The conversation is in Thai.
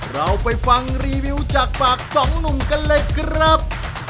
เราไปฟังรีวิวจากปากสองหนุ่มกันเลยครับ